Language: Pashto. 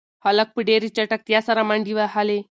هلک په ډېرې چټکتیا سره منډې وهلې.